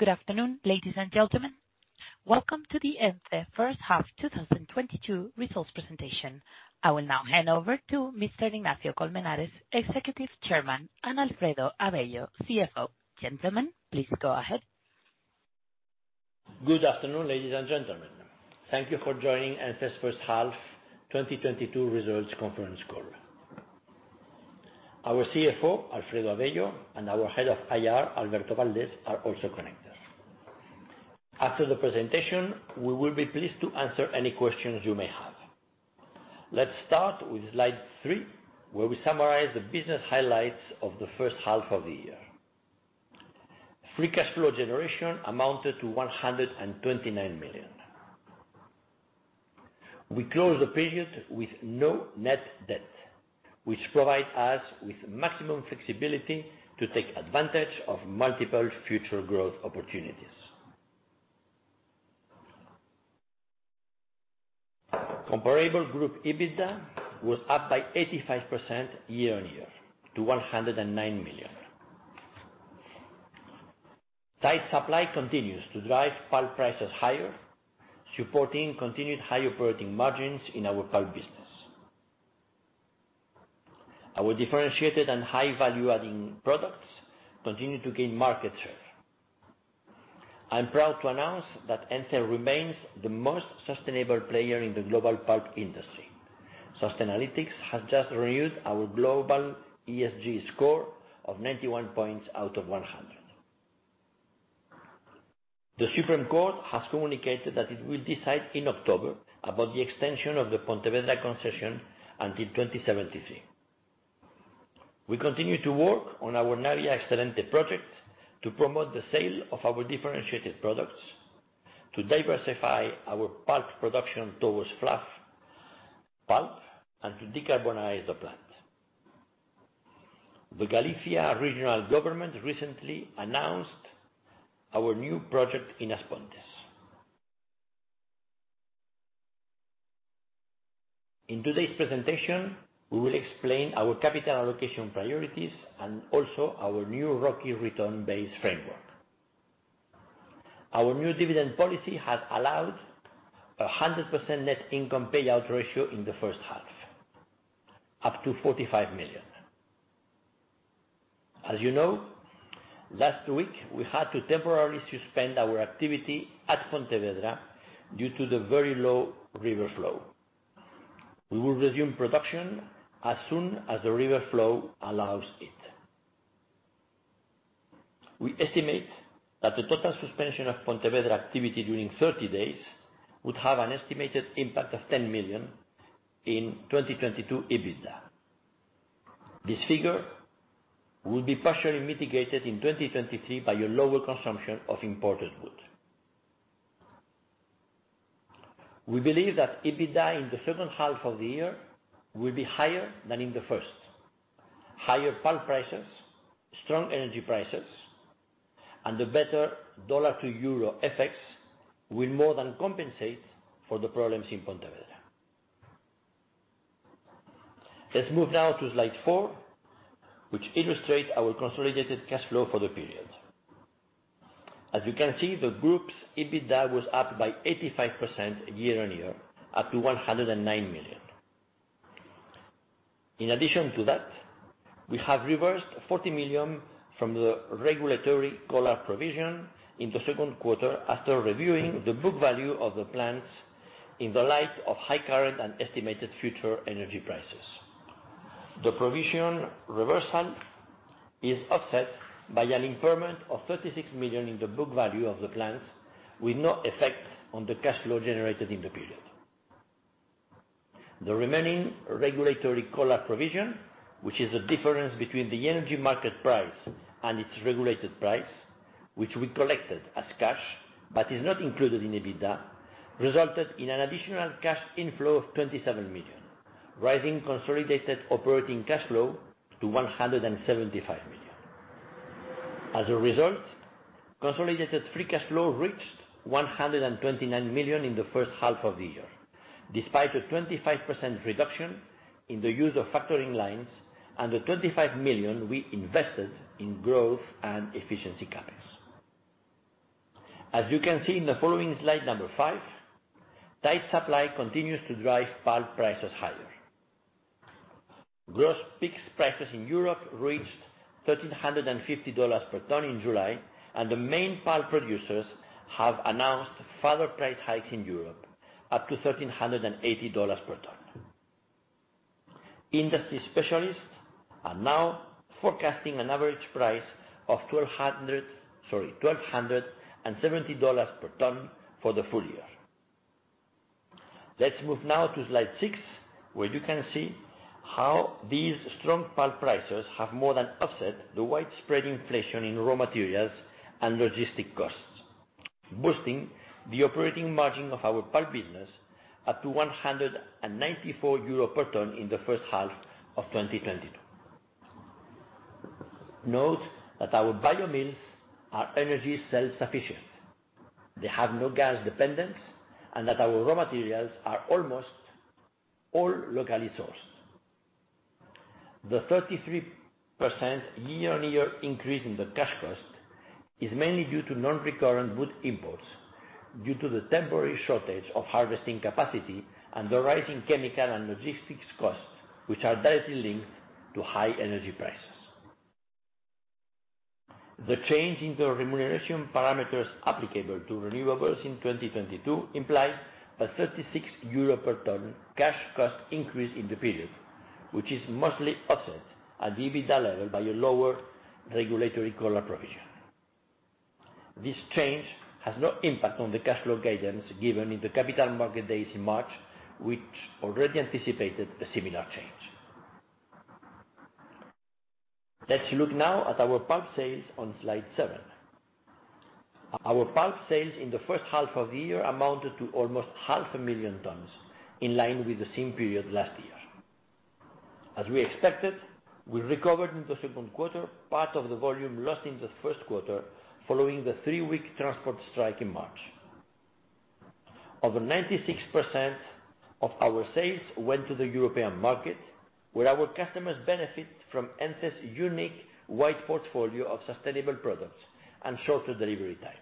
Good afternoon, ladies and gentlemen. Welcome to the ENCE first half 2022 results presentation. I will now hand over to Mr. Ignacio de Colmenares, Executive Chairman, and Alfredo Avello, CFO. Gentlemen, please go ahead. Good afternoon, ladies and gentlemen. Thank you for joining ENCE's first half 2022 results conference call. Our CFO, Alfredo Avello, and our Head of IR, Ines Alvarez, are also connected. After the presentation, we will be pleased to answer any questions you may have. Let's start with slide 3, where we summarize the business highlights of the first half of the year. Free cash flow generation amounted to 129 million. We closed the period with no net debt, which provide us with maximum flexibility to take advantage of multiple future growth opportunities. Comparable group EBITDA was up by 85% year-on-year to EUR 109 million. Tight supply continues to drive pulp prices higher, supporting continued high operating margins in our pulp business. Our differentiated and high value-adding products continue to gain market share. I am proud to announce that ENCE remains the most sustainable player in the global pulp industry. Sustainalytics has just renewed our global ESG score of 91 points out of 100. The Supreme Court has communicated that it will decide in October about the extension of the Pontevedra concession until 2073. We continue to work on our Navia Excelente project to promote the sale of our differentiated products, to diversify our pulp production towards fluff pulp, and to decarbonize the plant. The Galicia Regional Government recently announced our new project, As Pontes. In today's presentation, we will explain our capital allocation priorities and also our new ROCE return-based framework. Our new dividend policy has allowed a 100% net income payout ratio in the first half, up to 45 million. As you know, last week, we had to temporarily suspend our activity at Pontevedra due to the very low river flow. We will resume production as soon as the river flow allows it. We estimate that the total suspension of Pontevedra activity during 30 days would have an estimated impact of 10 million in 2022 EBITDA. This figure will be partially mitigated in 2023 by our lower consumption of imported wood. We believe that EBITDA in the second half of the year will be higher than in the first. Higher pulp prices, strong energy prices, and the better dollar to euro FX will more than compensate for the problems in Pontevedra. Let's move now to slide 4, which illustrate our consolidated cash flow for the period. As you can see, the group's EBITDA was up by 85% year-on-year, up to 109 million. In addition to that, we have reversed 40 million from the regulatory collar provision in the second quarter after reviewing the book value of the plants in the light of high current and estimated future energy prices. The provision reversal is offset by an impairment of 36 million in the book value of the plants, with no effect on the cash flow generated in the period. The remaining regulatory collar provision, which is the difference between the energy market price and its regulated price, which we collected as cash, but is not included in EBITDA, resulted in an additional cash inflow of 27 million, rising consolidated operating cash flow to 175 million. Consolidated free cash flow reached 129 million in the first half of the year, despite a 25% reduction in the use of factoring lines and the 25 million we invested in growth and efficiency CapEx. As you can see in the following slide number 5, tight supply continues to drive pulp prices higher. Gross fixed prices in Europe reached $1,350 per ton in July, and the main pulp producers have announced further price hikes in Europe, up to $1,380 per ton. Industry specialists are now forecasting an average price of twelve hundred, sorry, $1,270 per ton for the full year. Let's move now to slide six, where you can see how these strong pulp prices have more than offset the widespread inflation in raw materials and logistics costs, boosting the operating margin of our pulp business up to 194 euro per ton in the first half of 2022. Note that our biomills are energy self-sufficient. They have no gas dependence, and that our raw materials are almost all locally sourced. The 33% year-on-year increase in the cash cost is mainly due to non-recurrent wood imports due to the temporary shortage of harvesting capacity and the rising chemical and logistics costs, which are directly linked to high energy prices. The change in the remuneration parameters applicable to renewables in 2022 imply a 36 euro per ton cash cost increase in the period, which is mostly offset at the EBITDA level by a lower regulatory collar provision. This change has no impact on the cash flow guidance given in the capital market days in March, which already anticipated a similar change. Let's look now at our pulp sales on slide 7. Our pulp sales in the first half of the year amounted to almost 500,000 tons, in line with the same period last year. As we expected, we recovered in the second quarter part of the volume lost in the first quarter following the 3-week transport strike in March. Over 96% of our sales went to the European market, where our customers benefit from ENCE's unique wide portfolio of sustainable products and shorter delivery times.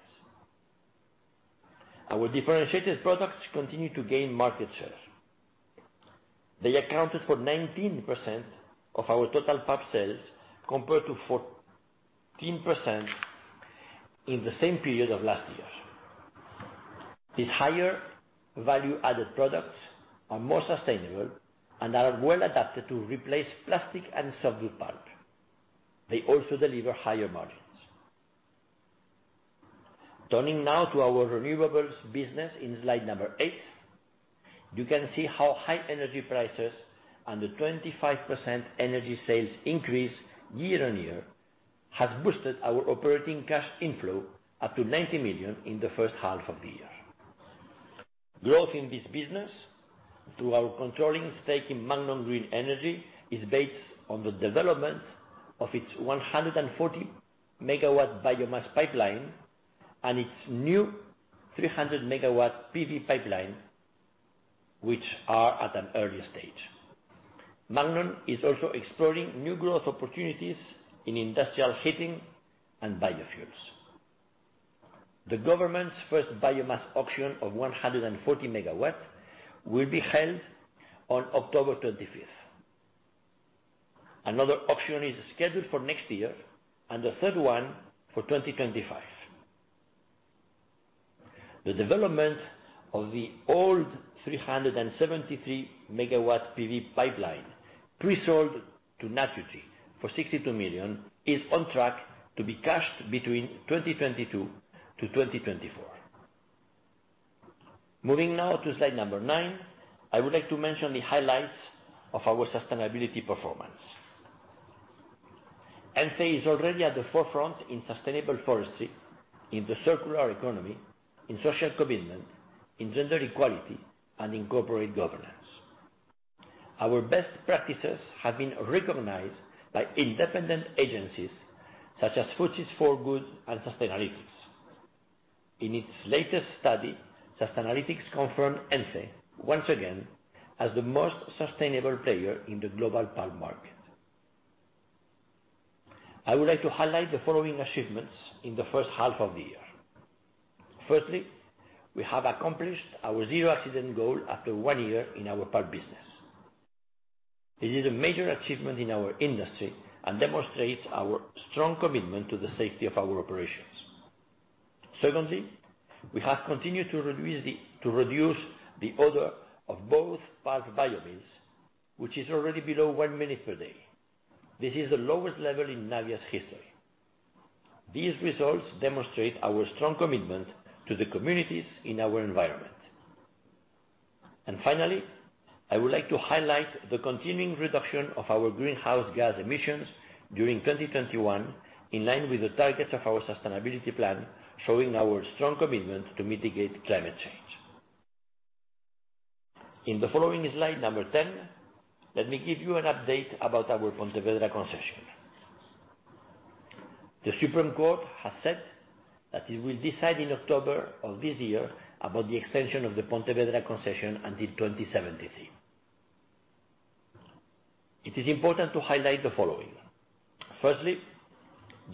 Our differentiated products continue to gain market share. They accounted for 19% of our total pulp sales, compared to 14% in the same period of last year. These higher value-added products are more sustainable and are well adapted to replace plastic and softwood pulp. They also deliver higher margins. Turning now to our renewables business in slide 8, you can see how high energy prices and the 25% energy sales increase year-on-year has boosted our operating cash inflow up to 90 million in the first half of the year. Growth in this business through our controlling stake in Magnon Green Energy is based on the development of its 140 MW biomass pipeline and its new 300 MW PV pipeline, which are at an early stage. Magnon is also exploring new growth opportunities in industrial heating and biofuels. The government's first biomass auction of 140 MW will be held on October 25. Another auction is scheduled for next year and the third one for 2025. The development of the 373 MW PV pipeline pre-sold to Naturgy for 62 million is on track to be cashed between 2022-2024. Moving now to slide 9, I would like to mention the highlights of our sustainability performance. ENCE is already at the forefront in sustainable forestry, in the circular economy, in social commitment, in gender equality, and in corporate governance. Our best practices have been recognized by independent agencies such as FTSE4Good and Sustainalytics. In its latest study, Sustainalytics confirmed ENCE once again as the most sustainable player in the global pulp market. I would like to highlight the following achievements in the first half of the year. Firstly, we have accomplished our zero accident goal after one year in our pulp business. This is a major achievement in our industry and demonstrates our strong commitment to the safety of our operations. Secondly, we have continued to reduce the odor of both pulp biomills, which is already below one minute per day. This is the lowest level in Navia's history. These results demonstrate our strong commitment to the communities in our environment. Finally, I would like to highlight the continuing reduction of our greenhouse gas emissions during 2021, in line with the targets of our sustainability plan, showing our strong commitment to mitigate climate change. In the following slide, number 10, let me give you an update about our Pontevedra concession. The Supreme Court of Spain has said that it will decide in October of this year about the extension of the Pontevedra concession until 2073. It is important to highlight the following. Firstly,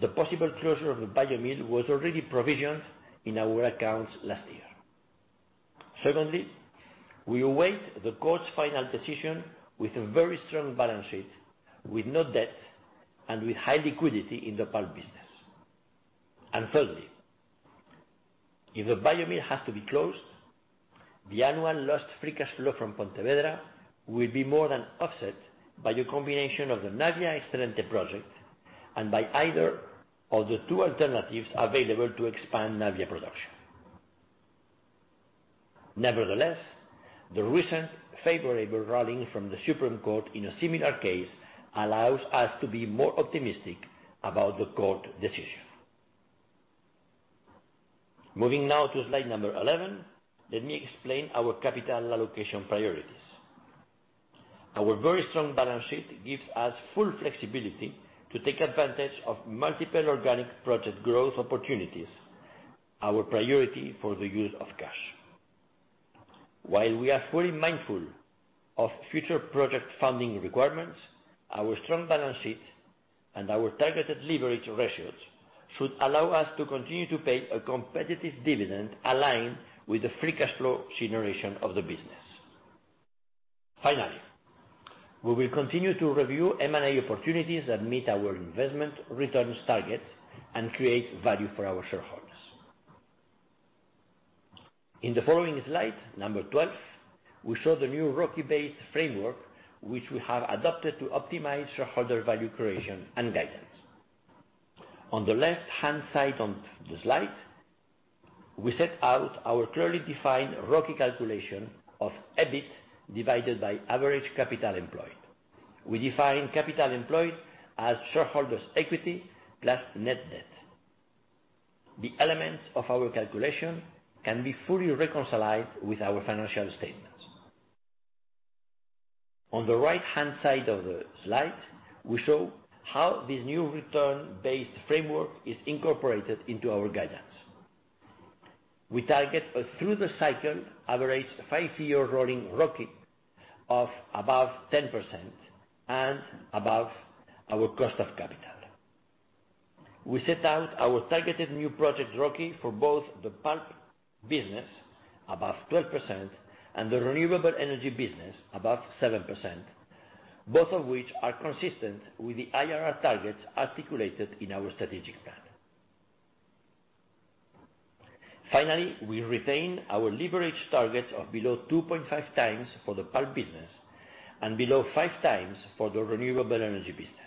the possible closure of the bio-mill was already provisioned in our accounts last year. Secondly, we await the court's final decision with a very strong balance sheet, with no debt, and with high liquidity in the pulp business. Thirdly, if the bio-mill has to be closed, the annual lost free cash flow from Pontevedra will be more than offset by the combination of the Navia Excelente project and by either of the two alternatives available to expand Navia production. Nevertheless, the recent favorable ruling from the Supreme Court of Spain in a similar case allows us to be more optimistic about the court decision. Moving now to slide number 11, let me explain our capital allocation priorities. Our very strong balance sheet gives us full flexibility to take advantage of multiple organic project growth opportunities, our priority for the use of cash. While we are fully mindful of future project funding requirements, our strong balance sheet and our targeted leverage ratios should allow us to continue to pay a competitive dividend aligned with the free cash flow generation of the business. Finally, we will continue to review M&A opportunities that meet our investment returns targets and create value for our shareholders. In the following slide, number 12, we show the new ROCE-based framework which we have adopted to optimize shareholder value creation and guidance. On the left-hand side on the slide, we set out our clearly defined ROCE calculation of EBIT divided by average capital employed. We define capital employed as shareholders equity plus net debt. The elements of our calculation can be fully reconciled with our financial statements. On the right-hand side of the slide, we show how this new return-based framework is incorporated into our guidance. We target a through-the-cycle average five-year rolling ROCE of above 10% and above our cost of capital. We set out our targeted new project ROCE for both the pulp business, above 12%, and the renewable energy business, above 7%, both of which are consistent with the IRR targets articulated in our strategic plan. Finally, we retain our leverage target of below 2.5x for the pulp business and below 5x for the renewable energy business.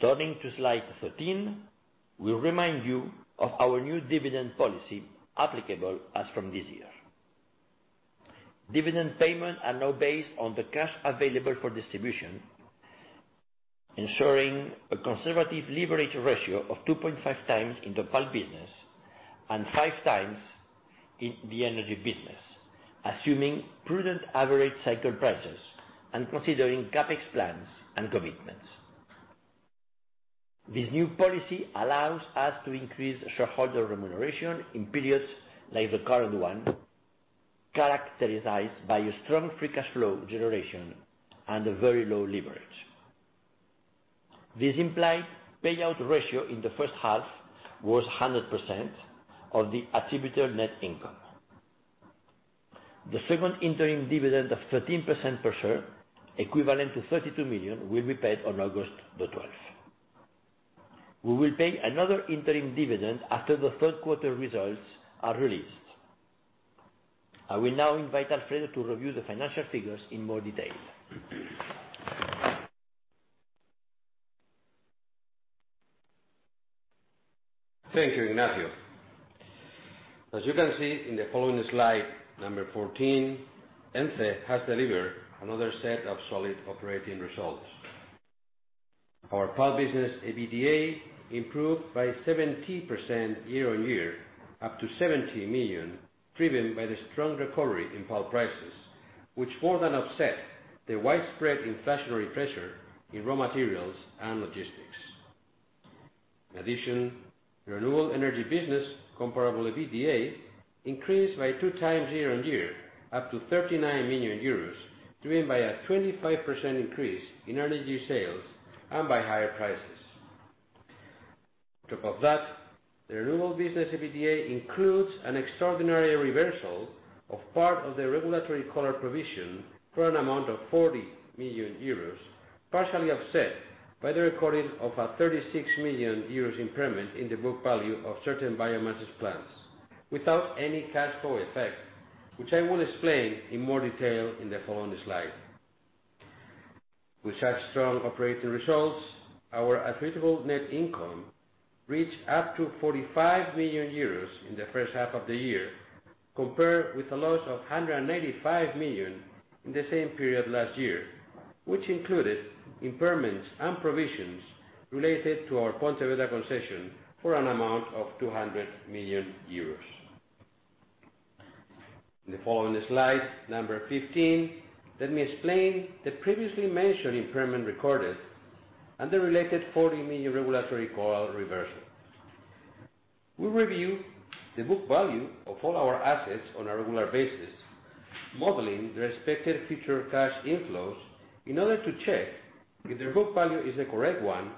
Turning to slide 13, we remind you of our new dividend policy applicable as from this year. Dividend payments are now based on the cash available for distribution, ensuring a conservative leverage ratio of 2.5x in the pulp business and 5x in the energy business, assuming prudent average cycle prices and considering CapEx plans and commitments. This new policy allows us to increase shareholder remuneration in periods like the current one, characterized by a strong free cash flow generation and a very low leverage. This implied payout ratio in the first half was 100% of the attributable net income. The second interim dividend of 13% per share, equivalent to 32 million, will be paid on August 12. We will pay another interim dividend after the third quarter results are released. I will now invite Alfredo Avello to review the financial figures in more detail. Thank you, Ignacio. As you can see in the following slide, number 14, ENCE has delivered another set of solid operating results. Our pulp business EBITDA improved by 70% year-on-year, up to 70 million, driven by the strong recovery in pulp prices, which more than offset the widespread inflationary pressure in raw materials and logistics. In addition, renewable energy business comparable EBITDA increased by 2 times year-on-year, up to 39 million euros, driven by a 25% increase in energy sales and by higher prices. On top of that, the renewable business EBITDA includes an extraordinary reversal of part of the regulatory collar provision for an amount of 40 million euros, partially offset by the recording of a 36 million euros impairment in the book value of certain biomass plants without any cash flow effect, which I will explain in more detail in the following slide. With such strong operating results, our attributable net income reached up to 45 million euros in the first half of the year, compared with a loss of 185 million in the same period last year, which included impairments and provisions related to our Pontevedra concession for an amount of 200 million euros. In the following slide, number 15, let me explain the previously mentioned impairment recorded and the related 40 million regulatory collar reversal. We review the book value of all our assets on a regular basis, modeling the expected future cash inflows in order to check if the book value is the correct one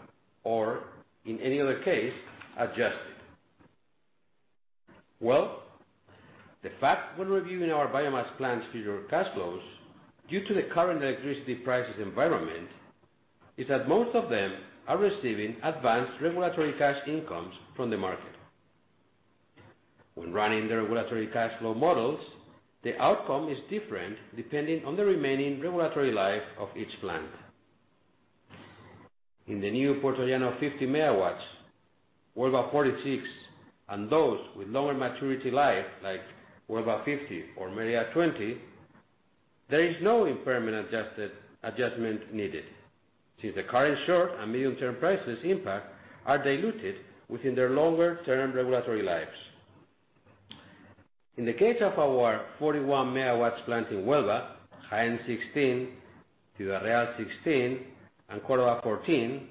or in any other case, adjust it. Well, the fact when reviewing our biomass plants future cash flows due to the current electricity prices environment is that most of them are receiving advanced regulatory cash incomes from the market. When running the regulatory cash flow models, the outcome is different depending on the remaining regulatory life of each plant. In the new Puertollano 50 MW, Huelva 46, and those with lower maturity life like Huelva 50 or Jaén 20, there is no impairment adjustment needed, since the current short- and medium-term prices impact are diluted within their longer-term regulatory lives. In the case of our 41 MW plant in Huelva, Jaén 16, Ciudad Real 16, and Cuarta 14,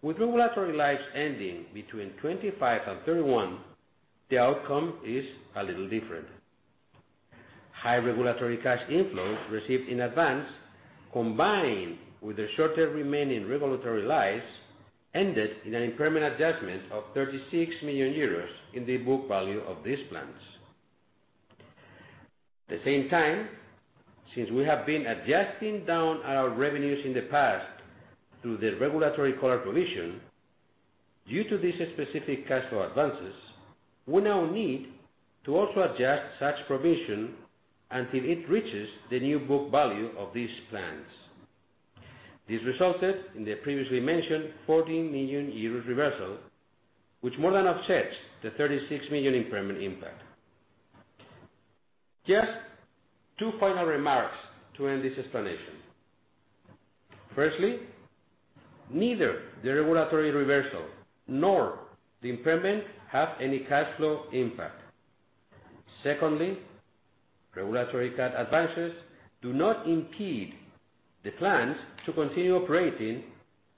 with regulatory lives ending between 25 and 31, the outcome is a little different. High regulatory cash inflows received in advance, combined with the shorter remaining regulatory lives, ended in an impairment adjustment of 36 million euros in the book value of these plants. At the same time, since we have been adjusting down our revenues in the past through the regulatory collar provision, due to this specific cash flow advances, we now need to also adjust such provision until it reaches the new book value of these plants. This resulted in the previously mentioned 14 million euros reversal, which more than offsets the 36 million impairment impact. Just two final remarks to end this explanation. Firstly, neither the regulatory reversal nor the impairment have any cash flow impact. Regulatory cut advances do not impede the plans to continue operating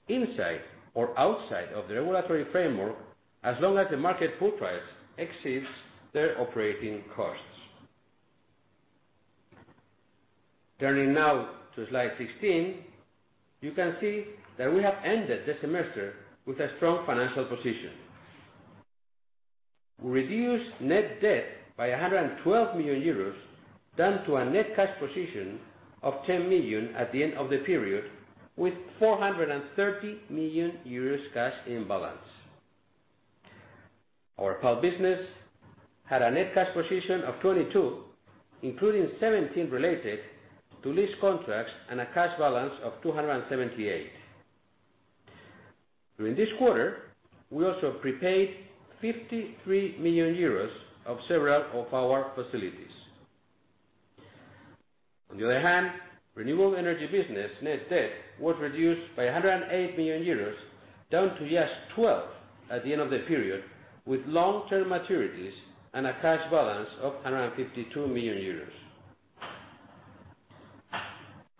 inside or outside of the regulatory framework as long as the market pool price exceeds their operating costs. Turning now to slide 16, you can see that we have ended the semester with a strong financial position. Reduced net debt by 112 million euros down to a net cash position of 10 million at the end of the period, with 430 million euros cash in balance. Our pulp business had a net cash position of 22 million, including 17 million related to lease contracts and a cash balance of 278 million. During this quarter, we also prepaid 53 million euros of several of our facilities. On the other hand, renewable energy business net debt was reduced by 108 million euros down to just 12 at the end of the period, with long-term maturities and a cash balance of 152 million euros.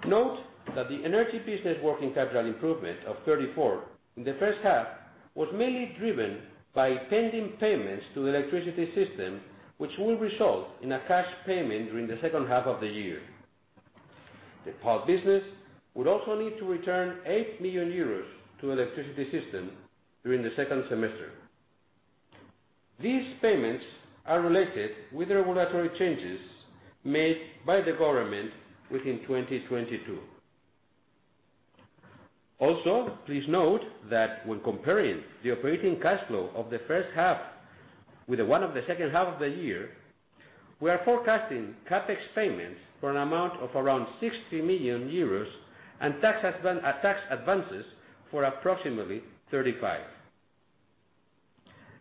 Note that the energy business working capital improvement of 34 in the first half was mainly driven by pending payments to the electricity system, which will result in a cash payment during the second half of the year. The pulp business would also need to return 8 million euros to electricity system during the second semester. These payments are related with regulatory changes made by the government within 2022. Please note that when comparing the operating cash flow of the first half with the one of the second half of the year, we are forecasting CapEx payments for an amount of around 60 million euros and tax advances for approximately 35 million.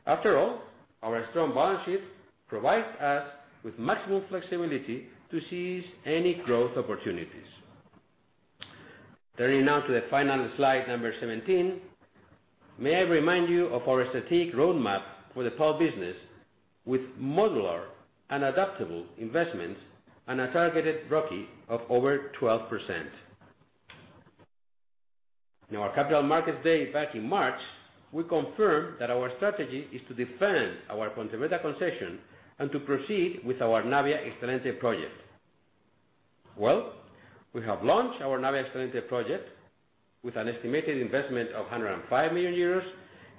After all, our strong balance sheet provides us with maximum flexibility to seize any growth opportunities. Turning now to the final slide, number 17. May I remind you of our strategic roadmap for the pulp business with modular and adaptable investments and a targeted ROCE of over 12%. In our capital market day back in March, we confirmed that our strategy is to defend our Pontevedra concession and to proceed with our Navia Excelente project. Well, we have launched our Navia Excelente project with an estimated investment of 105 million euros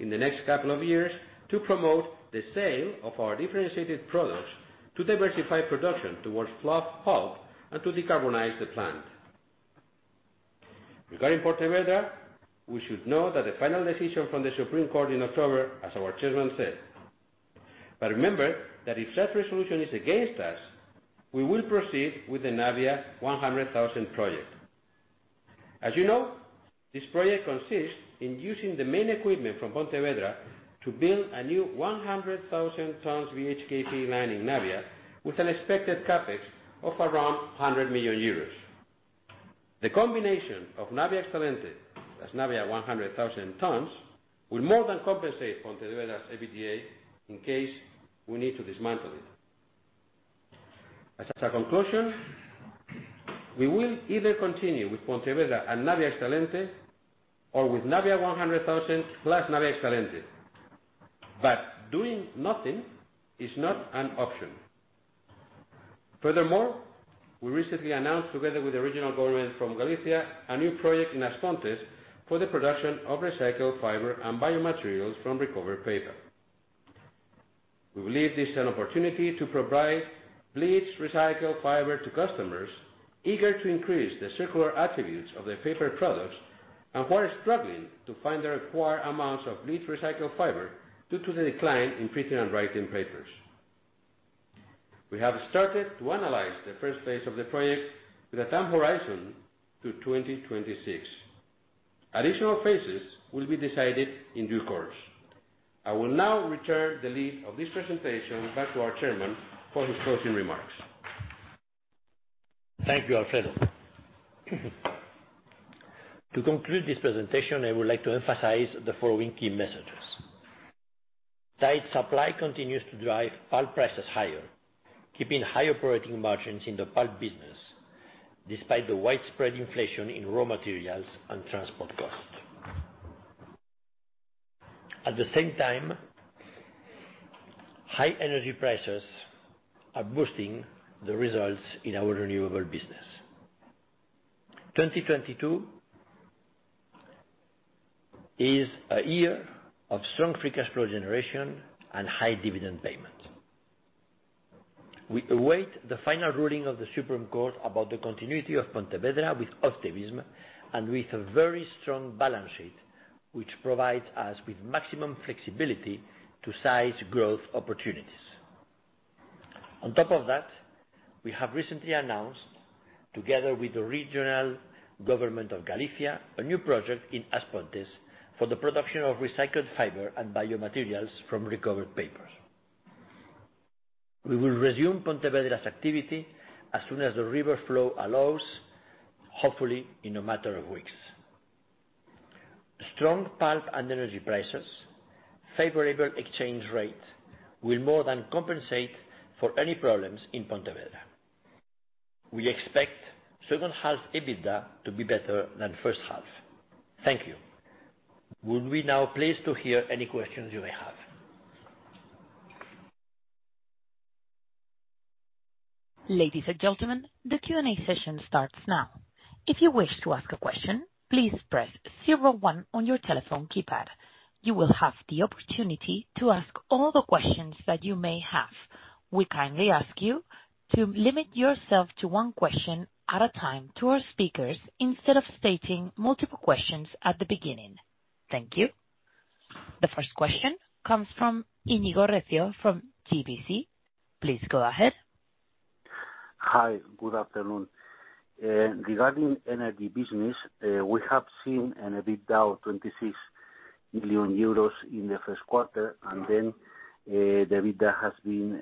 in the next couple of years to promote the sale of our differentiated products to diversify production towards fluff pulp and to decarbonize the plant. Regarding Pontevedra, we should know that the final decision from the Supreme Court in October, as our chairman said. Remember that if that resolution is against us, we will proceed with the Navia 100,000 project. As you know, this project consists in using the main equipment from Pontevedra to build a new 100,000 tons BHKP plant in Navia with an expected CapEx of around 100 million euros. The combination of Navia Excelente and Navia 100,000 tons will more than compensate Pontevedra's EBITDA in case we need to dismantle it. As a conclusion, we will either continue with Pontevedra and Navia Excelente or with Navia 100,000 plus Navia Excelente. Doing nothing is not an option. Furthermore, we recently announced together with the regional government of Galicia, a new project in As Pontes for the production of recycled fiber and biomaterials from recovered paper. We believe this is an opportunity to provide bleached recycled fiber to customers eager to increase the circular attributes of their paper products and who are struggling to find the required amounts of bleached recycled fiber due to the decline in printing and writing papers. We have started to analyze the first phase of the project with a time horizon to 2026. Additional phases will be decided in due course. I will now return the lead of this presentation back to our chairman for his closing remarks. Thank you, Alfredo. To conclude this presentation, I would like to emphasize the following key messages. Tight supply continues to drive pulp prices higher, keeping high operating margins in the pulp business despite the widespread inflation in raw materials and transport costs. At the same time, high energy prices are boosting the results in our renewable business. 2022 is a year of strong free cash flow generation and high dividend payments. We await the final ruling of the Supreme Court about the continuity of Pontevedra with optimism and with a very strong balance sheet, which provides us with maximum flexibility to size growth opportunities. On top of that, we have recently announced, together with the regional government of Galicia, a new project in As Pontes for the production of recycled fiber and biomaterials from recovered papers. We will resume Pontevedra's activity as soon as the river flow allows, hopefully in a matter of weeks. Strong pulp and energy prices, favorable exchange rate will more than compensate for any problems in Pontevedra. We expect second half EBITDA to be better than first half. Thank you. We would now be pleased to hear any questions you may have. Ladies and gentlemen, the Q&A session starts now. If you wish to ask a question, please press zero one on your telephone keypad. You will have the opportunity to ask all the questions that you may have. We kindly ask you to limit yourself to one question at a time to our speakers instead of stating multiple questions at the beginning. Thank you. The first question comes from Íñigo Recio from RBC. Please go ahead. Hi. Good afternoon. Regarding energy business, we have seen an EBITDA of 26 million euros in the first quarter, and then, the EBITDA has been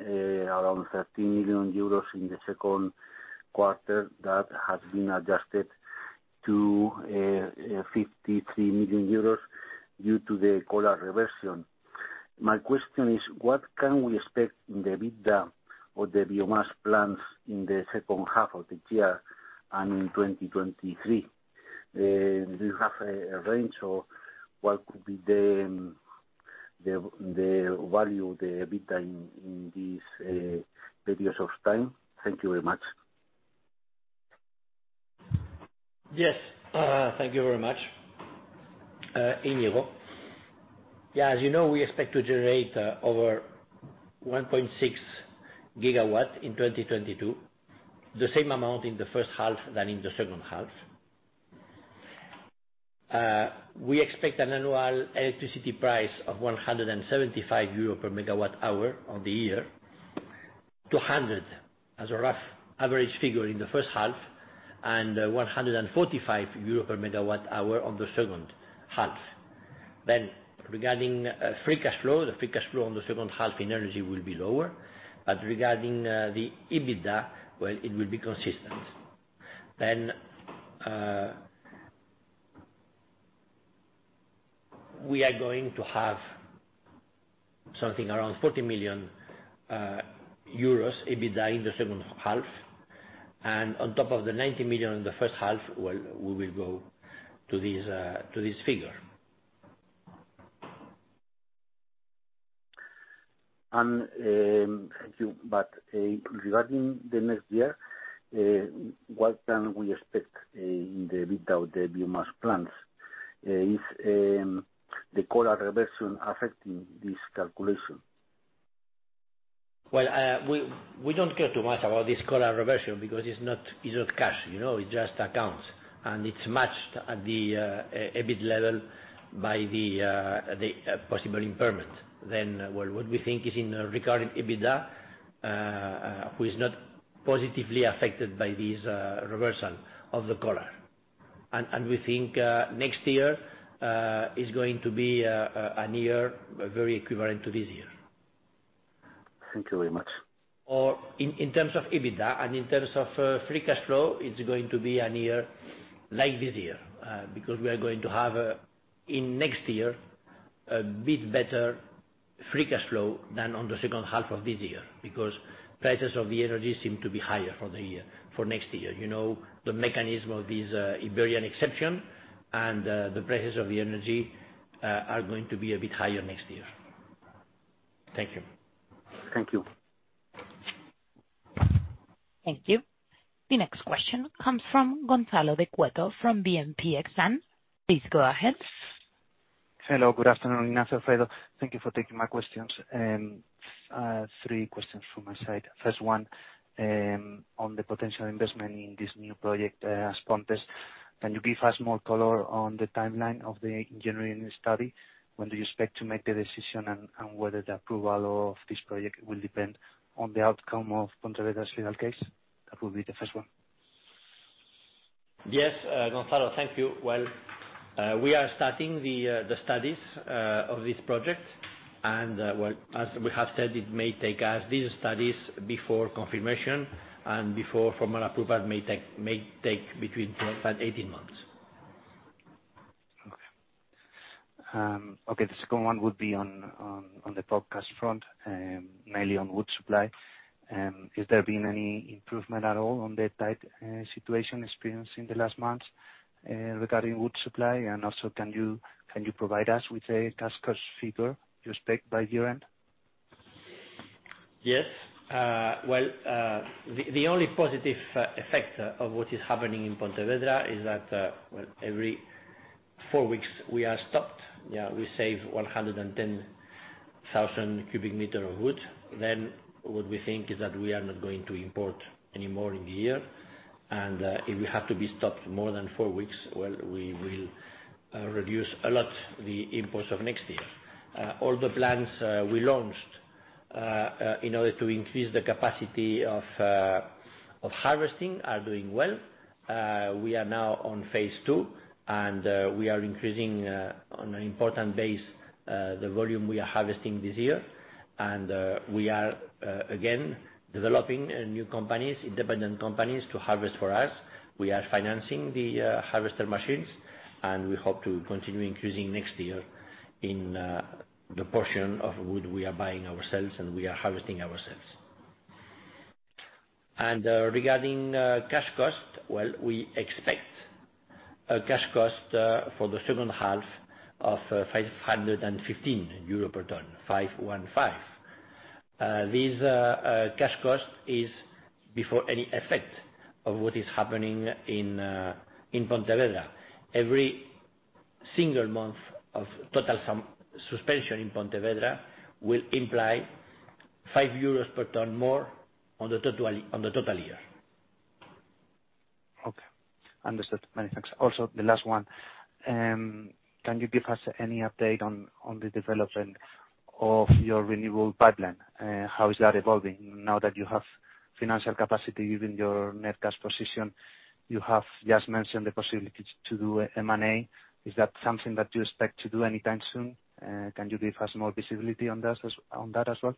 around 13 million euros in the second quarter. That has been adjusted to 53 million euros due to the collar reversal. My question is, what can we expect in the EBITDA or the biomass plants in the second half of the year and in 2023? Do you have a range of what could be the value of the EBITDA in these periods of time? Thank you very much. Yes. Thank you very much, Íñigo. Yeah, as you know, we expect to generate over 1.6 gigawatts in 2022, the same amount in the first half than in the second half. We expect an annual electricity price of 175 euro per megawatt hour on the year. 200 as a rough average figure in the first half, and 145 euro per megawatt hour on the second half. Regarding free cash flow, the free cash flow on the second half in energy will be lower, but regarding the EBITDA, well, it will be consistent. We are going to have something around 40 million euros EBITDA in the second half and on top of the 90 million in the first half, well, we will go to this figure. Thank you. Regarding the next year, what can we expect in the EBITDA of the biomass plants? Is the collar reversal affecting this calculation? Well, we don't care too much about this collar reversal because it's not cash, it's just accounts, and it's matched at the EBIT level by the possible impairment. Well, what we think is regarding EBITDA, it is not positively affected by this reversal of the collar. We think next year is going to be a year very equivalent to this year. Thank you very much. In terms of EBITDA and in terms of free cash flow, it's going to be a year like this year, because we are going to have, in next year, a bit better free cash flow than in the second half of this year, because prices of the energy seem to be higher for the year, for next year. The mechanism of this Iberian exception and the prices of the energy are going to be a bit higher next year. Thank you. Thank you. Thank you. The next question comes from Gonzalo de Cueto from BNP Paribas Exane. Please go ahead. Hello. Good afternoon, Ignacio, Alfredo. Thank you for taking my questions. Three questions from my side. First one, on the potential investment in this new project, As Pontes. Can you give us more color on the timeline of the engineering study? When do you expect to make the decision and whether the approval of this project will depend on the outcome of Pontevedra's legal case? That will be the first one. Yes, Gonzalo. Thank you. Well, we are starting the studies of this project. Well, as we have said, it may take us these studies before confirmation and before formal approval may take between 12 and 18 months. Okay, the second one would be on the pulp cost front, mainly on wood supply. Has there been any improvement at all on the tight situation experienced in the last months regarding wood supply? Also, can you provide us with a cash cost figure you expect by year-end? Yes. Well, the only positive effect of what is happening in Pontevedra is that, well, every four weeks we are stopped. Yeah, we save 110,000 cubic meters of wood. What we think is that we are not going to import any more in the year. If we have to be stopped more than four weeks, well, we will reduce a lot the imports of next year. All the plans we launched in order to increase the capacity of harvesting are doing well. We are now on phase two, and we are increasing on an important basis the volume we are harvesting this year. We are again developing new companies, independent companies to harvest for us. We are financing the harvester machines, and we hope to continue increasing next year in the portion of wood we are buying ourselves and we are harvesting ourselves. Regarding cash cost, well, we expect a cash cost for the second half of 515 euro per ton. This cash cost is before any effect of what is happening in Pontevedra. Every single month of total suspension in Pontevedra will imply 5 euros per ton more on the total year. Okay. Understood. Many thanks. Also, the last one, can you give us any update on the development of your renewable pipeline? How is that evolving now that you have financial capacity within your net cash position? You have just mentioned the possibility to do M&A. Is that something that you expect to do anytime soon? Can you give us more visibility on that as well?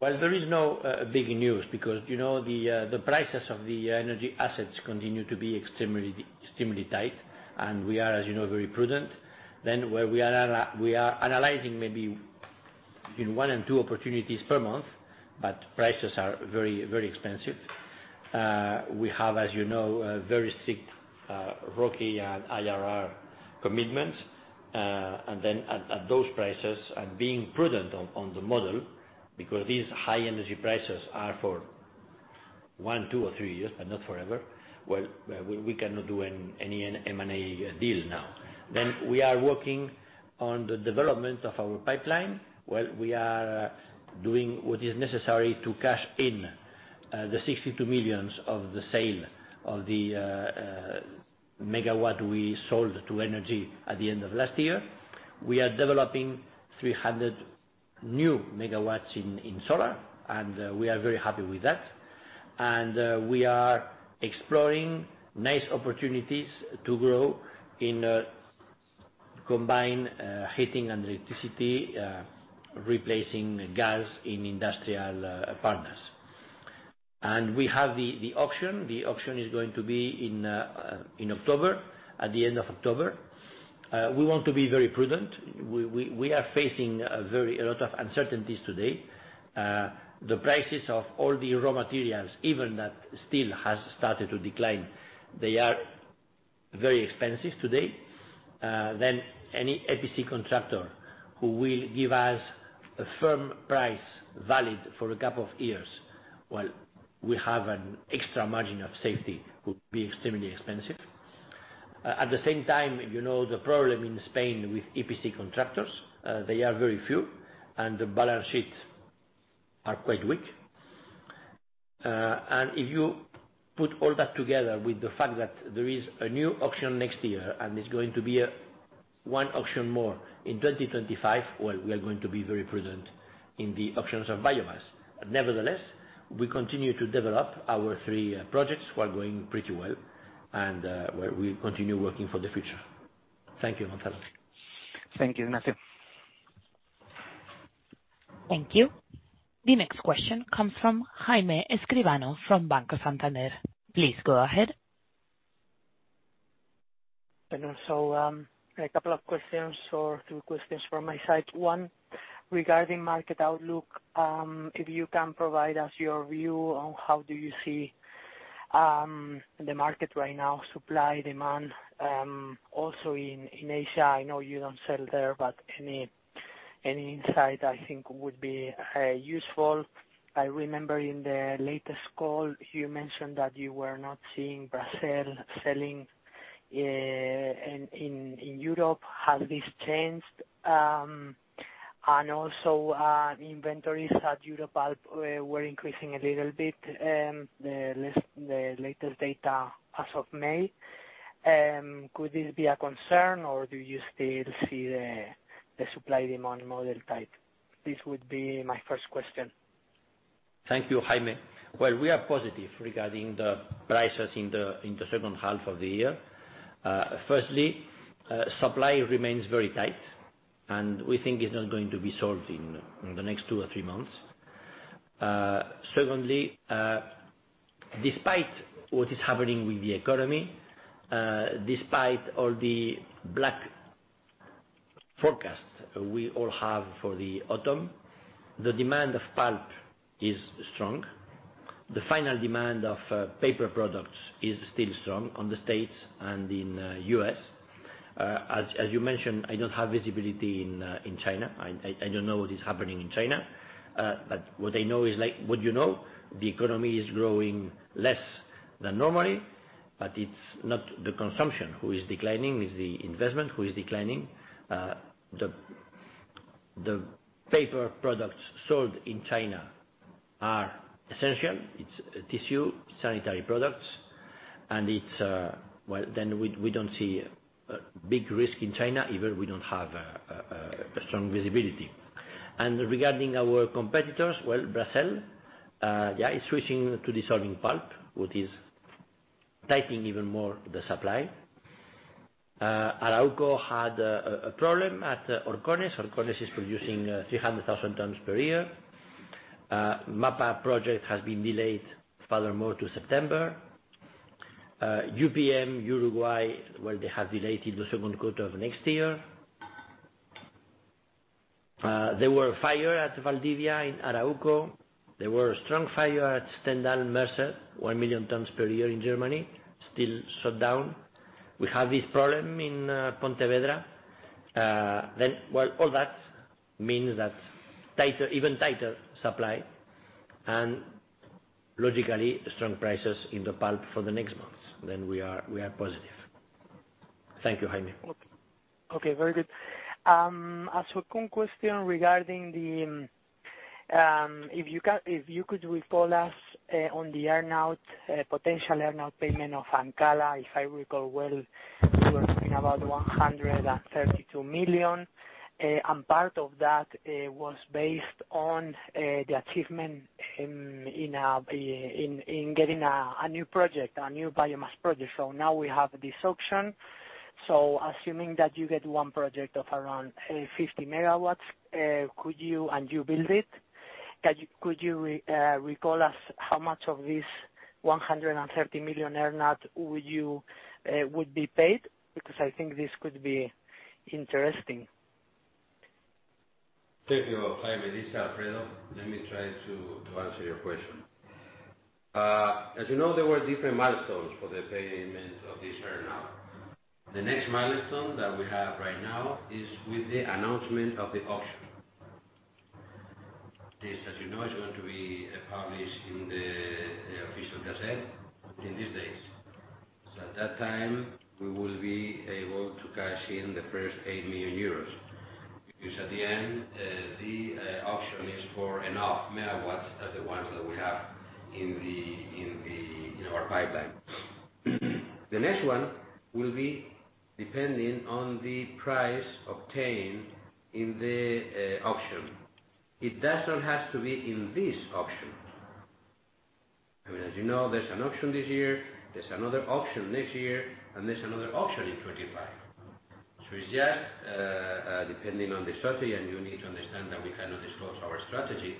Well, there is no big news because, you know, the prices of the energy assets continue to be extremely tight, and we are, as you know, very prudent. We are analyzing maybe 1 and 2 opportunities per month, but prices are very, very expensive. We have, as you know, a very strict ROCE and IRR commitments. At those prices and being prudent on the model, because these high energy prices are for 1, 2 or 3 years, but not forever, well, we cannot do any M&A deals now. We are working on the development of our pipeline. Well, we are doing what is necessary to cash in the 62 million of the sale of the megawatt we sold to Ence at the end of last year. We are developing 300 new megawatts in solar, and we are very happy with that. We are exploring nice opportunities to grow in combined heating and electricity, replacing gas in industrial partners. We have the auction. The auction is going to be in October, at the end of October. We want to be very prudent. We are facing a lot of uncertainties today. The prices of all the raw materials, even though they have started to decline, they are very expensive today. Any EPC contractor who will give us a firm price valid for a couple of years, well, we have an extra margin of safety, would be extremely expensive. At the same time, you know, the problem in Spain with EPC contractors, they are very few, and the balance sheets are quite weak. If you put all that together with the fact that there is a new auction next year, and it's going to be one more auction in 2025, well, we are going to be very present in the auctions of biomass. Nevertheless, we continue to develop our three projects. We are going pretty well, and, well, we continue working for the future. Thank you, Gonzalo. Thank you, Ignacio de Colmenares. Thank you. The next question comes from Jaime Escribano from Banco Santander. Please go ahead. Also, a couple of questions or two questions from my side. One, regarding market outlook, if you can provide us your view on how do you see the market right now, supply, demand, also in Asia. I know you don't sell there, but any insight I think would be useful. I remember in the latest call, you mentioned that you were not seeing Brazil selling in Europe. Has this changed? And also, inventories in Europe were increasing a little bit, the latest data as of May. Could this be a concern or do you still see the supply/demand model tight? This would be my first question. Thank you, Jaime. Well, we are positive regarding the prices in the second half of the year. Firstly, supply remains very tight, and we think it's not going to be solved in the next two or three months. Secondly, despite what is happening with the economy, despite all the bleak forecasts we all have for the autumn, the demand of pulp is strong. The final demand of paper products is still strong in the States and in the US. As you mentioned, I don't have visibility in China. I don't know what is happening in China. What I know is like what you know, the economy is growing less than normally, but it's not the consumption who is declining, it's the investment who is declining. The paper products sold in China are essential. It's tissue, sanitary products, and it's. Well, then we don't see a big risk in China, even we don't have a strong visibility. Regarding our competitors, well, Brazil is switching to dissolving pulp, which is tightening even more the supply. Arauco had a problem at Horcones. Horcones is producing 300,000 tons per year. MAPA project has been delayed furthermore to September. UPM, Uruguay, well, they have delayed it to second quarter of next year. There was a fire at Valdivia in Arauco. There was a strong fire at Stendal, Mercer, 1,000,000 tons per year in Germany, still shut down. We have this problem in Pontevedra. Well, all that means that tighter, even tighter supply and logically strong prices in the pulp for the next months, then we are positive. Thank you, Jaime. Okay. Very good. As a quick question regarding the, if you could recall us on the earn-out potential earn-out payment of Ancala. If I recall well, you were talking about 132 million. Part of that was based on the achievement in getting a new project, a new biomass project. Now we have this auction. Assuming that you get one project of around 50 megawatts, and you build it, could you recall us how much of this 130 million earn-out would be paid? Because I think this could be interesting. Thank you, Jaime. This is Alfredo. Let me try to answer your question. As you know, there were different milestones for the payment of this earn-out. The next milestone that we have right now is with the announcement of the auction. This, as you know, is going to be published in the official gazette in these days. So at that time, we will be able to cash in the first 8 million euros. Because at the end, the auction is for enough megawatts as the ones that we have in our pipeline. The next one will be depending on the price obtained in the auction. It doesn't have to be in this auction. I mean, as you know, there's an auction this year, there's another auction next year, and there's another auction in 2025. It's just depending on the strategy, and you need to understand that we cannot disclose our strategy,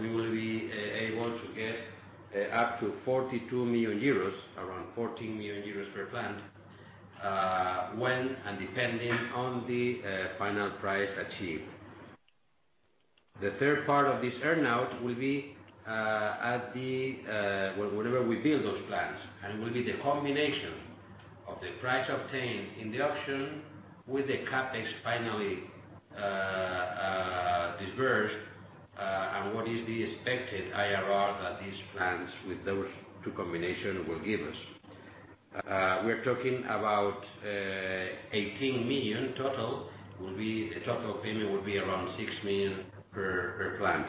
we will be able to get up to 42 million euros, around 14 million euros per plant, when and depending on the final price achieved. The third part of this earn-out will be whenever we build those plants. It will be the combination of the price obtained in the auction with the CapEx finally disbursed, and what is the expected IRR that these plants with those two combination will give us. We're talking about 18 million total, the total payment will be around 6 million per plant.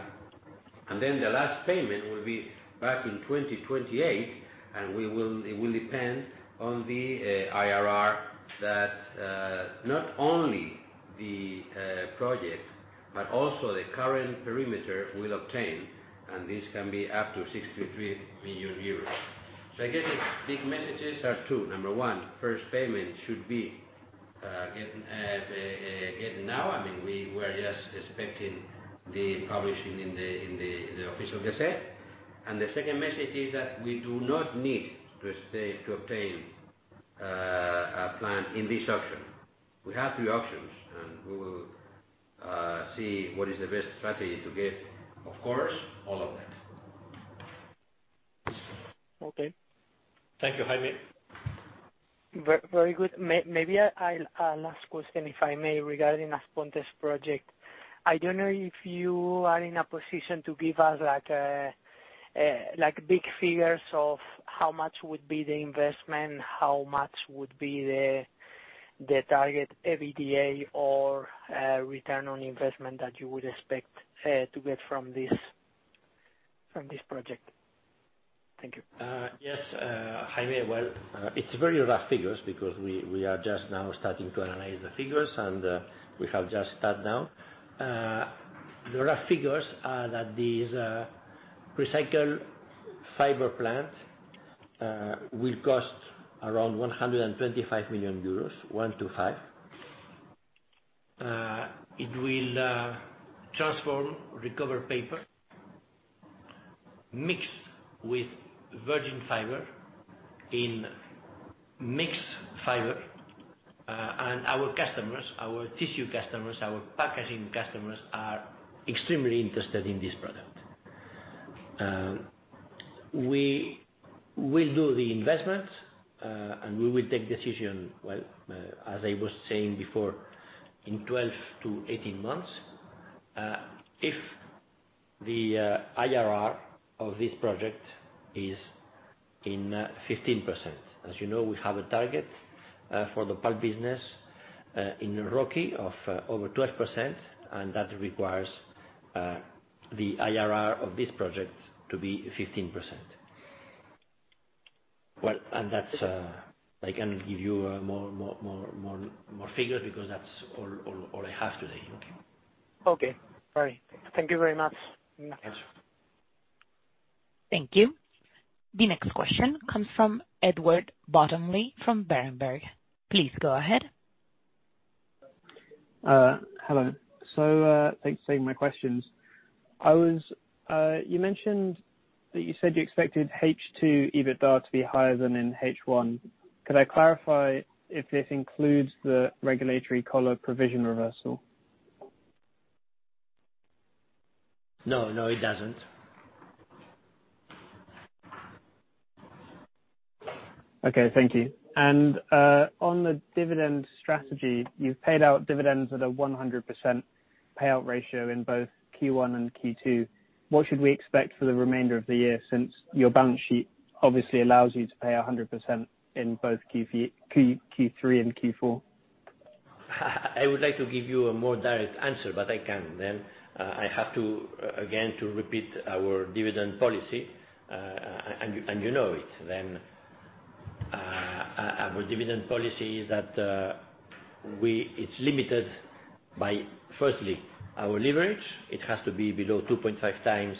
The last payment will be back in 2028, and it will depend on the IRR that not only the project, but also the current perimeter will obtain, and this can be up to 63 million euros. I guess the messages are two. Number one, first payment should be getting now. I mean, we were just expecting the publishing in the official gazette. The second message is that we do not need to wait to obtain a plant in this auction. We have two options, and we will see what is the best strategy to get, of course, all of that. Okay. Thank you, Jaime. Very good. Maybe I'll ask a last question, if I may, regarding As Pontes project. I don't know if you are in a position to give us like big figures of how much would be the investment, how much would be the target EBITDA or return on investment that you would expect to get from this project. Thank you. Yes, Jaime. It's very rough figures because we are just now starting to analyze the figures and we have just started now. The rough figures are that this recycled fiber plant will cost around 125 million euros. It will transform recovered paper, mixed with virgin fiber, into mixed fiber. Our customers, our tissue customers, our packaging customers, are extremely interested in this product. We will do the investment and we will take decision, well, as I was saying before, in 12-18 months, if the IRR of this project is 15%. As you know, we have a target for the pulp business in ROCE of over 12%, and that requires the IRR of this project to be 15%. Well, that's. I can give you more figures because that's all I have today. Okay. Okay. All right. Thank you very much. Yes. Thank you. The next question comes from Edward Bottomley from Berenberg. Please go ahead. Hello. Thanks for taking my questions. You mentioned that you said you expected H2 EBITDA to be higher than in H1. Could I clarify if this includes the regulatory collar provision reversal? No, no, it doesn't. Okay, thank you. On the dividend strategy, you've paid out dividends at a 100% payout ratio in both Q1 and Q2. What should we expect for the remainder of the year, since your balance sheet obviously allows you to pay 100% in both Q3 and Q4? I would like to give you a more direct answer, but I can't. I have to again repeat our dividend policy. And you know it. Our dividend policy is that it's limited by, firstly, our leverage. It has to be below 2.5 times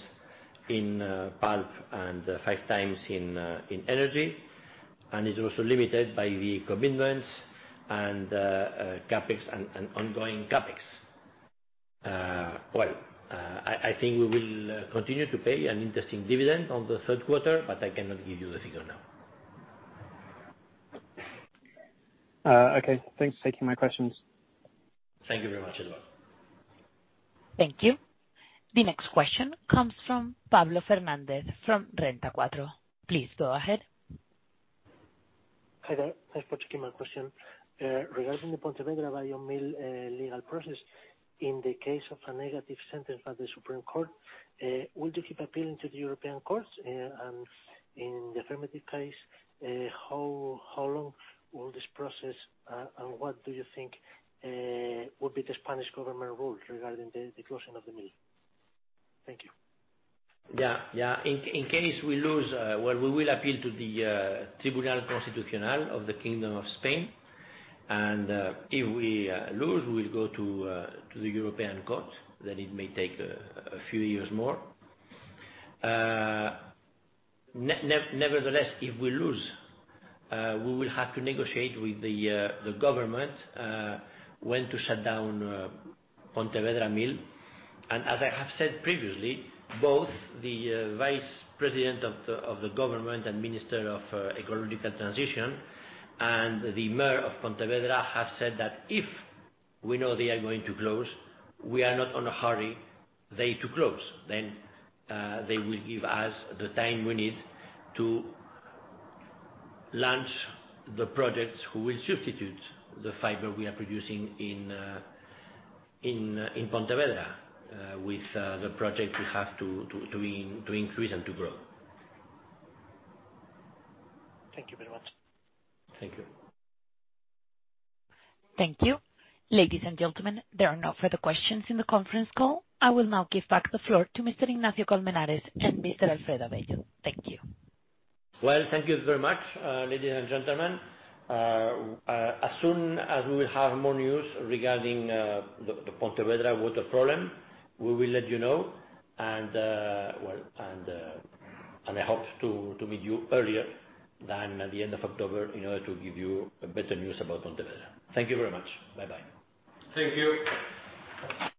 in pulp and 5 times in energy. It's also limited by the commitments and CapEx and ongoing CapEx. Well, I think we will continue to pay an interesting dividend on the third quarter, but I cannot give you the figure now. Okay. Thanks for taking my questions. Thank you very much, Edward. Thank you. The next question comes from Pablo Fernández de Castro from Renta 4. Please go ahead. Hi there. Thanks for taking my question. Regarding the Pontevedra Biomass legal process, in the case of a negative sentence by the Supreme Court of Spain, would you keep appealing to the European courts? In the affirmative case, how long will this process, and what do you think would be the Spanish government role regarding the closing of the mill? Thank you. Yeah. In case we lose, well, we will appeal to the Tribunal Constitucional of the Kingdom of Spain. If we lose, we'll go to the European Court, then it may take a few years more. Nevertheless, if we lose, we will have to negotiate with the government when to shut down Pontevedra mill. As I have said previously, both the vice president of the government and minister of ecological transition and the mayor of Pontevedra have said that if we know they are going to close, we are not in a hurry to close. They will give us the time we need to launch the projects which will substitute the fiber we are producing in Pontevedra with the project we have to increase and to grow. Thank you very much. Thank you. Thank you. Ladies and gentlemen, there are no further questions in the conference call. I will now give back the floor to Mr. Ignacio de Colmenares and Mr. Alfredo Avello. Thank you. Well, thank you very much, ladies and gentlemen. As soon as we will have more news regarding the Pontevedra water problem, we will let you know. I hope to meet you earlier than at the end of October in order to give you a better news about Pontevedra. Thank you very much. Bye-bye. Thank you.